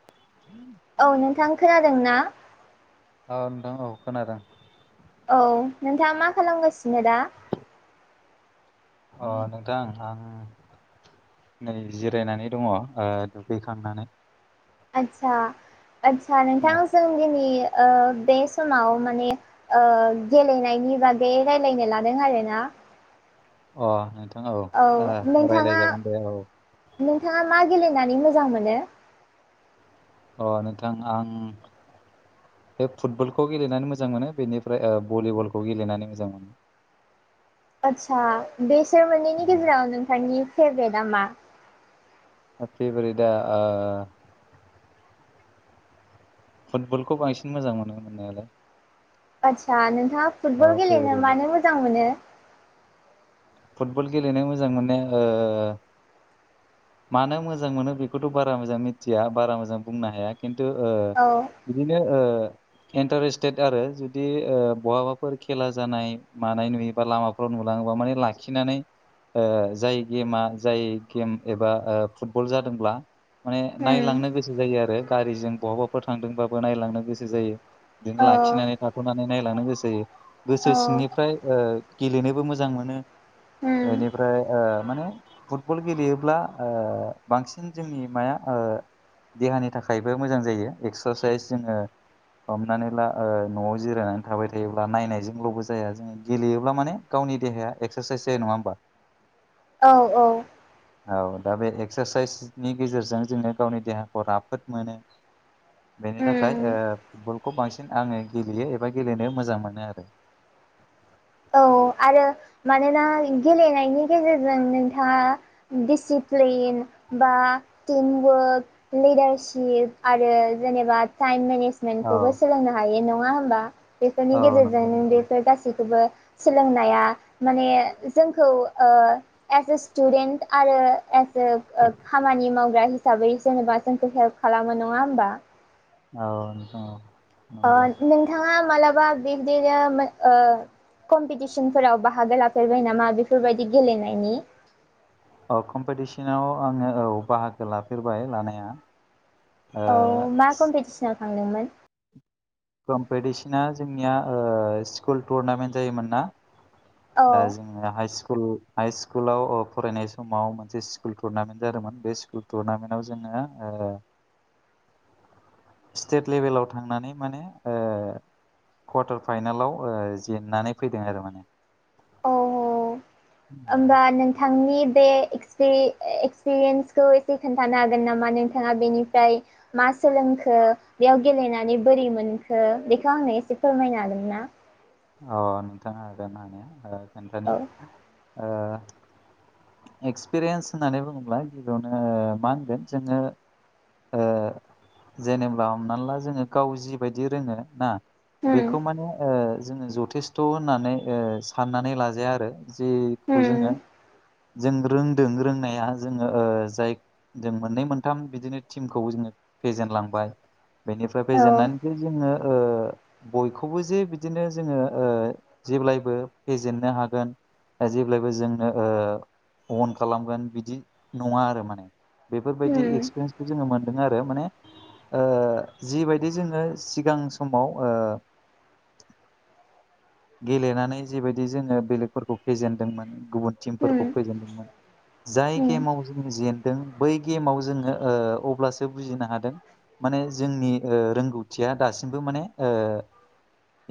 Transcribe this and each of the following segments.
[inaudible] औ नोंथां खोनादों ना? औ नोंथां औ खोनादों। औ नोंथाङा मा खालामगासिनो दा? अ नोंथां आं नै जिरायनानै दङ ओ दुगैखांनानै। आदसा आदसा नोंथां जों दिनि ओ बे समाव माने ओ गेलेनायनि बागै रायलायनो लादों आरोना। अ नोंथां औ ओ रायलायजागोन दे औ। नोंथाङा मा गेलेनानै मोजां मोनो? अ नोंथां आं बे फुटबलखौ गेलेनानै मोजां मोनो बेनिफ्राय ओ भलिबलखौ गेलेनानै मोजां मोनो। आदसा बेसोर मोननैनि गेजेराव नोंथांनि फेभ्रेटआ मा? [unintelligible] फेभ्रेटआ ओ फुटबलखौ बांसिन मोजां मोनो मोननायालाय। आदसा नोंथाङा फुटबल औ गेलेनो फेभारेटआ मानो मोजां मोनो? फुटबल गेलेनो मोजां मोननाय ओ मानो मोजां मोनो बेखौथ' बारा मोजां मिथिया बारा मोजां बुंनो हाया किन्तु ओ औ बिदिनो ओ इन्टारेस्टेड आरो जुदि ओ बहाबाफोर खेला जानाय मानाय नुयोबा लामा फोराव नुलाङोबा माने ला खिनानै ओ जाय गेमा जाय गेम एबा ओ फुटबल जादोंब्ला माने उम नायलांनो गोसो जायो आरो गारिजों बहाबाफोर थांदोंबाबो नायलांनो गोसो जायो। दिनो औ लाखिनानै थाथ'नानै नायलांनो गोसो जायो औ गोसो सिंनिफ्राय ओ गेलेनोबो मोजां मोनो। उम ओनिफ्राय ओ माने फुटबल गेलेयोब्ला ओ बांसिन जोंनि माया ओ देहानि थाखायबो मोजां जायो एक्सारसाइस जोङो हमनानै ला ओ न'आव जिरायनानै थाबाय थायोब्ला नायनायजोंल'बो जाया जोङो गेलेयोब्ला माने गावनि देहाया एक्सारसाइस जायो नङा होमबा? औ औ। औ दा बे एक्सारसाइसनि गेजेरजों जोङो गावनि देहाखौ राफोद मोनो। बेनि थाखाय उम ओ फुलखौ बांसिन आङो गेलेयो एबा गेलेनायाव मोजां मोनो आरो। औ आरो मानोना गेलेनायनि गेजेरजों नोंथाङा दिसिप्लिन बा टिमवर्क लिडारसिप आरो जेनेबा टाइम मेनेस औ मेनखौबो सोलोंनो हायो नङा होमबा बेफोरनि औ गेजेरजों नंगौ नों नोंथां बेफोर गासैखौबो सोलोंनाया माने जोंखौ ओ एस ए स्टुडेन्ट आरो एस जोब ओ खामानि मावग्रा हिसाबै जेनेबा जोंखौ हेल्प खालामो नङा होमबा? औ नोंथां औ। नंगौ ओ नोंथाङा मालाबा बब्दिनो मोन ओ कम्पिटिसनफोराव बाहागो लाफेरबाय नामा बेफोरबायदि गेलेनायनि? औ कम्पिटिसनाव आङो औ बाहागो लाफेरबाय लानाया। ओ औ मा कम्पिटिसनाव थांदोंमोन? कम्पिटिसना जोंनिया ओ स्कुल टुरनामेन्ट जायोमोन ना औ ओ जों ओ हाइ स्कुल हाइ स्कुलाव अ फरायनाय समाव मोनसे स्कुल टुरनामेन्ट जादोंमोन बे स्कुल टुरनामेन्टआव जोङो ओ स्टेट लेभेलाव थांनानै माने ओ कवाटार फाइनलाव ओ जेननानै फैदों आरो माने। ओमबा नों थांनि बे एक्सपिरि एक्सपिरियेन्सखौ एसे खोन्थानो हागोन नामा नोंथाङा बेनिफ्राय मा सोलोंखो? गेम गेलेनानै बोरै मोनखो बेखौ आंनो एसे फोरमायनो हागोनना? अ नोंथाङा हागोन हानाया ओ खोन्थानि औ ओ एक्सपिरियेन्स होननानै बुङोब्ला गिबियावनो ओ मा होनगोन जोङो ओ जेनेबा हमना ला जोङो गाव जिबायदि रोङो ना उम बेखौ माने ओ जोङो जथेस्थ' होननानै ओ साननानै लाजाया आरो। जेखौ उम जोङो जों रोंदों रोंनाया जोङो जाय जों मोननै मोनथाम बिदिनो टिमखौ जोङो फेजेनलांबाय। बेनिफ्राय औ फेजेननानै जे जोङो ओ बयखौबो जे बि दिनो जोङो ओ जेब्लायबो फेजेननो हागोन। जेब्लायबो जोंनो ओ अन खालामगोन बिदि नङा आरो माने। बेफोरबायदि उम एक्सपिरियन्सखौ जोङो मोन दों आरो माने ओ जिबायदि जोङो सिगां समाव ओ गेलेनानै जिबायदि जोङो बेलेगफोरखौ फेजेनदोंमोन गुबुन उम टिमफोरखौ फेजेनदोंमोन। जाय उम गेमाव जोंङो जेेनदों बै गेमाव जोङो ओ अब्लासो बुजिनो हादों। माने जोंनि ओ रोंगौथिया दासिमबो माने ओ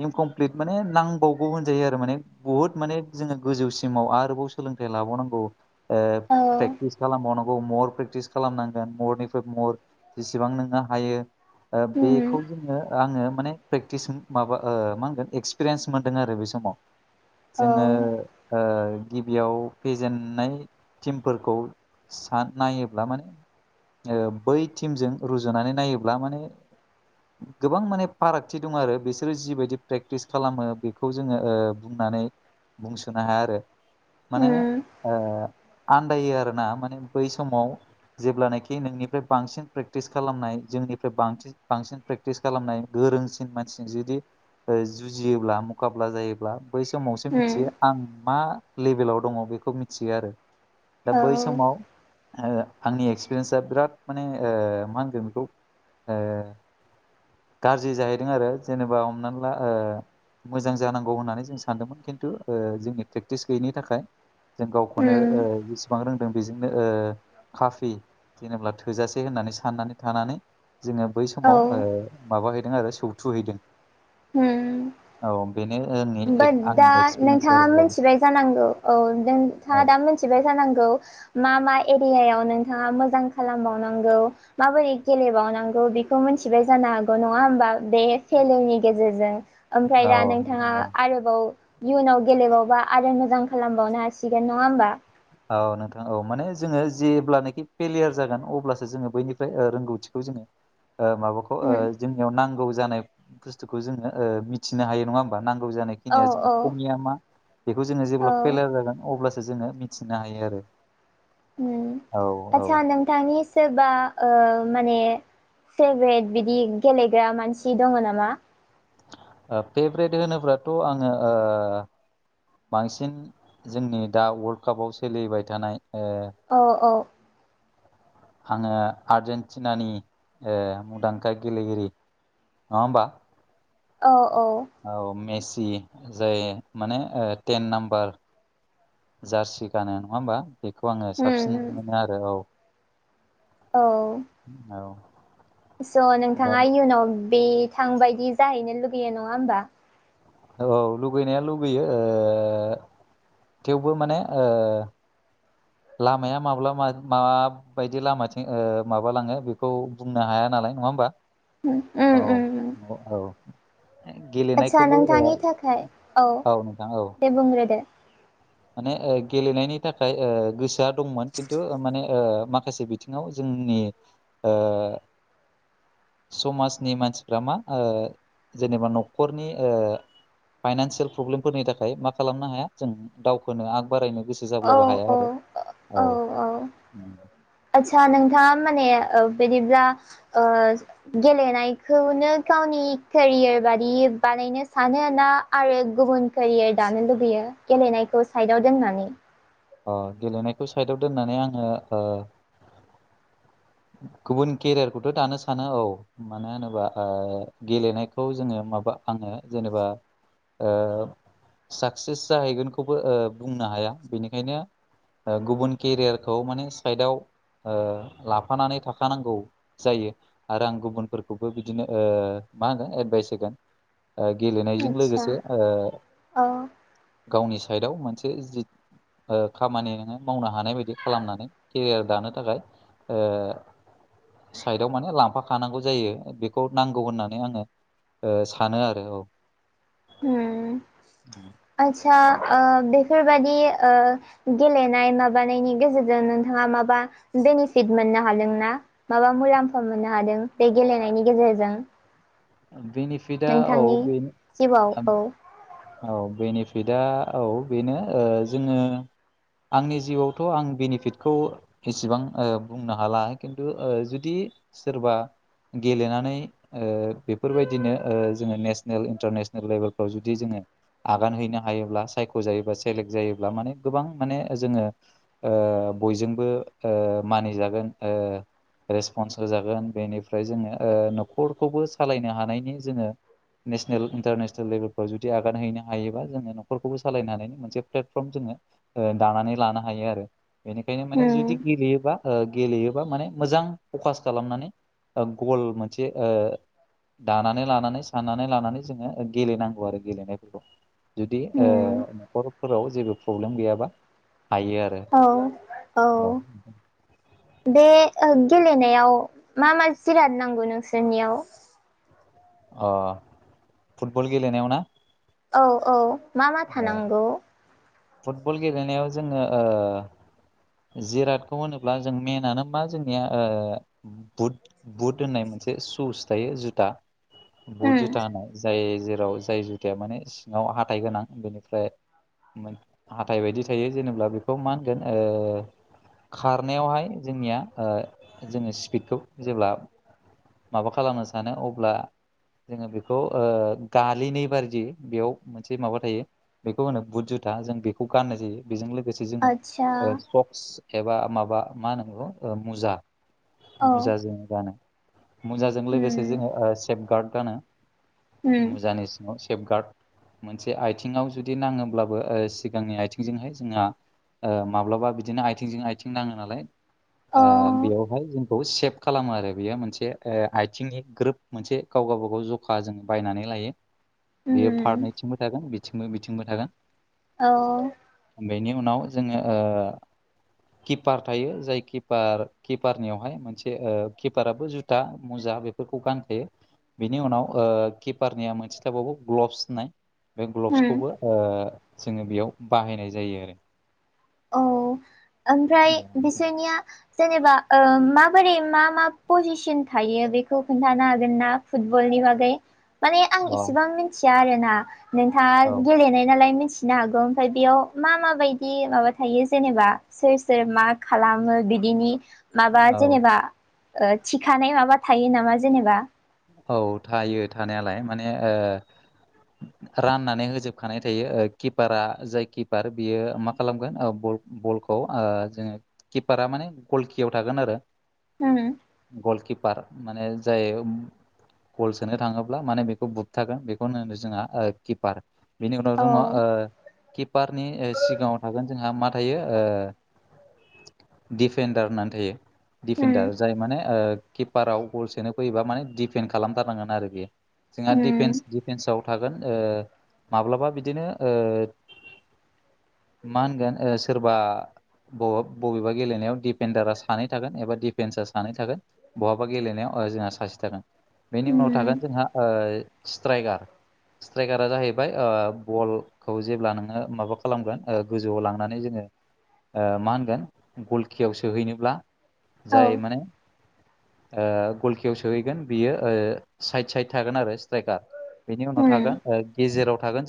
इनकमप्लिट माने नां बावगौ होनजायो आरो माने बुहुत माने जोङो गोजौसिमाव आरोबाव सोलोंथाइ लाबावनांगौ। ओ औ प्रेक्टिस खालामबावनांगौ मर प्रेकटिस खालामनांगोन मरनिफ्राय मर। जेसेबां नोङो हायो ओ उम बेखौ जोङो आङो माने प्रेक्टिस माबा ओ मा होनगोन एक्सपिरिन्स मोनदों आरो बे समाव। औ जोङो ओ गिबियाव फेजेननाय टिमफोरखौ सान नायोब्ला माने ओ बै टिमजों रुजुनानै नायोब्ला माने गोबां माने फारागथि दं आरो बिसोरो जिबायदि प्रेक्टिस खालामो बेखौ जोङो ओ बुंनानै बुंसोनो हाया आरो माने उम ओ आन्दायो आरो ना माने बै समाव जेब्लानाखि नोंनिफ्राय बांसिन प्रेक्टिस खालामनाय जोंनिफ्राय बांसिन बांसिन प्रेक्टिस खालामनाय गोरोंसिन मानसिजों जुदि ओ जुजियोब्ला मुखाब्ला जायोब्ला बै समावसो औ मिथियो आं मा लेभेलाव दङ बेखौ मिथियो आरो। दा बै समाव ओ आंनि एक्सपिरियेन्सा बिराद माने ओ मा होनदों बेखौ ओ गाज्रि जाहैदों आरो जेनेबा हमनानै ला ओ मोजां जानांगौ होननानै जों सानदोंमोन खिन्थु जोंनि प्रेक्टिस गैयिनि थाखाय जों गावखौनो ओ जेसेबां रों जों बेजोंनो ओ खाफि जेनेब्ला थोजासे होननानै साननानै थानानै जोङो बै समाव ओ माबाहैदों आरो सौथु हैदों। उम औ। बेनो ओं बाद दा नोंथाङा मिथिबाय जानांगौ औ नोंथाङा औ दा मोनथि थिबाय जानांगौ मा मा एरियायाव नोंथाङा मोजां खालामबावनांगौ माबोरै गेलेबावनांगौ बेखौ मिथिबाय जानो हागौ नङा होम्बा बे खेलनि गेजेरजों। ओमफ्राय औ दा नोंथाङा औ आरोबाव इयुनाव गेलेबावबा आरो मोजां खालामबावनो हासिगोन नङा होमबा? औ नोंथां औ माने जोङो जेब्लानोखि फेलियार जागोन अब्लासो जोङो बैनिफ्राय रोंगौथिखौ जोङो ओ माबाखौ ओ उम। जोंनियाव नांगौ जानाय बुस्थुखौ जोङो ओ मिथिनो हायो नङा होमबा नांगौ जानाय औ खिनिया जोंहा औ खमिया मा बेखौ जोङो जेब्ला औ फेलार जागोन अब्लासो जोङो मिथिनो हायो आरो। उम औ औ आतसा नोंथांनि सोरबा ओ‌ माने फेभरेट बिदि गेलेग्रा मानसि दङ नामा? ओ फेभरेट होनोबाथ' आङो ओ बांसिन जोंनि दा वर्ल्ल्ड कापाव सोलिबाय थानाय अ अ। आङो आर्जेेनटिनानि ओ मुंदांखा गेलेगिरि नङा होमबा औ औ। औ मेसि जाय माने टेन नाम्बार जार्सि गानो नङा होमबा बेखौ आङो साबसिन उम मोनो आरो औ। औ औ। औ। स' दा नोंथाङा इयुनाव बे थांबायदि जाहैनो लुगैयो नङा होमबा? औ लुगैनाया लुगैयो ओ थेवबो माने ओ लामाया माब्ला मा माबा बायदि लामाथिं ओ माबालाङो बेखौ बुंनो हाया नालाय नङा होमबा? उम ‌ औ उम उम अ औ। आदसा गेलेनायखौबो ओ नोंथांनि थाखाय औ नोंथां औ। दे बुंग्रोदो। माने ओ गेलेनायनि थाखाय ओ गोसोआ दंमोन खिन्थु माने ओ माखासे बिथिङाव जोंनि। ओ। समाजनि मानसिफ्रा मा ओ जेनेबा न'खरनि ओ। फाइनान्सियेल प्रब्लेमफोरनि थाखाय मा खालामनो हाया जों दावखोनो आग बारायनो गोसो औ जाब्लाबो हाया औ आरो औ उम। आतसा नोंथाङा माने ओ बिदिब्ला ओ गेलेनायखौनो गावनि केरियार बादि बानायनो सानो ना आरो गुबुन केरियार दानो लुबैयो गेलेनायखौ साइडाव दोननानै अ गेलेनायखौ साइडआव दोननानै आङो ओ‌ गुबुन केरियारखौथ' दानो सानो औ। मानो होनोबा ओ गेलेनायखौ जोङो माबा आङो जेनेबा ओ साक्सेस जाहैगोनखौबो ओ बुंनो हाया बेनिखायनो। गुबुन केरियारखौ माने साइदआव ओ लाफानानै थाखानांगौ। जायो आरो आं गुबुनफोरखौबो बिदिनो ओ मा होगोन एडभाइस होगोन। ओ गेलेनायजों आदसा लोगोसे ओ औ गावनि साइडआव मोनसे जि ओ खामानि नोङो मावनो हानाय बायदि खालामनानै केरियार दानो थाखाय ओ साइदआव माने लांफाखानांगौ जायो बेखौ नांगौ होननानै आङो‌ ओ सानो आरो औ। उम आदसा ओ बेफोरबादि ओ गेलेनाय माबानायनि गेजेरजों नोंथाङा माबा बेनिफिट मोननो हादोंना? माबा मुलाम्फा मोननो हादों बे गेलेनायनि गेजेरजों? बेनिफिटआ औ नोंथांनि बेनो जिउआव औ औ बेनिफिटआ औ बेनो ओ जोङो‌ आंनि जिउआवथ' आं बेनिफिटखौ इसेबां ओ बुंनो हाला खिन्थु ओ जुदि सोरबा ओ गेलेनानै‌ ओ बेफोरबायदिनो ओ जोङो नेसनेल इन्टारनेसनेल लेभेलफ्राव जुदि जोङो आगान हैनो हायोब्ला सायख'जायोब्ला सेलेक्ट जायोब्ला माने गोबां माने जोङो ओ बयजोंबो ओ मानिजागोन ओ‌ रेसपन्स होजागोन बेनिफ्राय जोङो ओ न'खरखौबो सालायनो हानायनि जोङो नेसनेल इन्टारनेसनेल लेभेलाव जुदि आग आगान हैैनो हायोबा जोङो न'खरखौबो सालायनो हानायनि मोनसे प्लेटफर्म जोङो दानानै लानो हायो आरो। बेनिखायनो माने उम जुदि गेलेयोबा गेलेयोबा माने मोजां फकास खालामनानै गल मोनसे ओ दानानै लानानै साननानै लानानै जोङो गेलेनांगौ आरो गेलेनाय जुदि ओ उम न'खरफोराव जेबो प्रब्लेम गैयाबा हायो आरो। औ औ। बे गेलेनायाव मा मा जिराद नांगौ नोंसोरनियाव? अ फुटबल गेलेनायाव ना? औ औ मा मा औ थानांगौ? फुटबल गेलेनायाव जोङो ओ जिरादखौ होनोब्ला जों मेनानो मा जोंनिया ओ बुट बुट होननाय मोनसे सुस थायो जुथा। उम बहुद जुथा होननाय जाय जेराव जाय जुथाया माने सिङाव हाथाय गोनां। बेनिफ्राय हाथाइ बायदि थायो जेनेबा बेखौ मा होनगोन ओ खारनायावहाय जोंनिया ओ जोङो स्पिडखौ जेब्ला माबा खालामनो सानो, अब्ला जोङो बेखौ गालिनै बारदि बेयाव मोनसे माबा थायो। बेखौ होनो बुट जुथा जों बेखौ गाननाय जायो। बेजों लोगोसे जोङो आतसा ओ सक्स एबा माबा मा होनगौ मुजा औ मुजा जोंङो गानो। मुजाजों लोगोसे उम जोङो सेफगार्ड गानो उम मुजानि सेफगार्ड मोनसे आथिङाव जुदि नाङोब्लाबो ओ सिगांनि आथिंजोंहाय जोंहा ओ माब्लाबा बिदिनो आथिंजों आइथिं नाङो नालाय औ ओ बेयावहाय जों खौ सेप खालामो आरो बेयो मोनसे ओ आथिंनि ग्रोब मोनसे गाव गावबागाव ज खा जों बायनानै लायो बेयो उम फारनैथिंबो थागोन बिथिंबो बिथिंबो थागोन। औ। बेनि उनाव जोङो ओ किपार थायो जाय किपार- किपारनियावहाय मोनसे किपाराबो जुथा मुजा बे गानखायो। बिनि उनाव कपारनिया मोनसे थाबावो ग्लबस होननाय बे ग्ल उम खौबो जोङो बेयाव बाहायनाय जायो आरो। औ ओमफ्राय बिसोरनिया जेनेबा माबोरै मा मा पजिसन थायो बेखौ खोन्थानो हागोन ना? फुटब'ल नि बागै माने आं औ इसेबां मिथिया आरो ना नोंथाङा औ गेलेनाय नालाय मिथि नो हागौ ओमफ्राय बेयाव मा मा बायदि माबा थायो जेनेबा सोर सोर मा खालामो बिदिनि माबा औ जेनेबा ओ थिखानाय माबा थायो नामा जेनेबा। औ थायो थानायालाय माने ओ [inaudible] राननानै होजोबखानाय थायो किपारा जाय किपार बियो मा खालामगोन बल बलखौ जोङो किपारा माने गलकियाव थागोन आरो। हम। गलकिपार माने जाय कल सोनो थाङोब्ला माने बेखौ बुुबथागोन बेखौनो होनदो जोंहा किपार। बेनि उनाव औ दङ किपारनि सिगाङाव थागोन जोंहा मा थायो ओ दिफेन्डार होननानै थायो। उम दिफेडार जाय माने किपाराव गल सोनो फैयोबा माने दिडफेन्ड खालामथारनांगोन आरो बेयो। जोंहा दिफेन्स उम दिफेन्सआव थागोन माब्लाबा बिदिनो ओ मा होनगोन सोरबा बबा- बबेबा गेलेनायाव डिफेडारा सानै थागोन एबा डिफेन्सा सानै थागोन। बहाबा गेलेनायाव ओ जोंहा सासे थागोन। बेनि उनाव थागोन उम जोंहा ओ स्ट्राइकार स्ट्राइकारा जाहैबाय ओ बल खौ जेब्ला नोङो माबा खालामगोन ओ गोजौआव लांनानै जोङो ओ मा होनगोन गलखिआव सोहैनोब्ला औ जाय माने ओ गलकिआव सोहैगोन बेयो‌ ओ सायथ सायथ‌ थागोन आरो‌ सनेकार बेनि उनाव उम थागोन ओ गेजेराव थागोन